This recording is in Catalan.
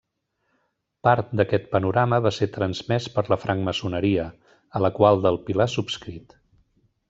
Part d'aquest panorama va ser transmès per la francmaçoneria, a la qual del Pilar subscrit.